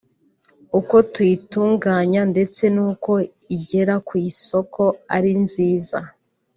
uko tuyitunganya ndetse n’uko igera ku isoko ari nziza